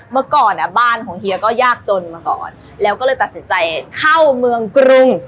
เมื่อก่อนบ้านของเฮียก็ยากจนมาก่อนแล้วก็เลยตัดสินใจเข้าเมืองกรุง